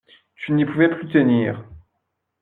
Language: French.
Tu n'y pouvais plus tenir!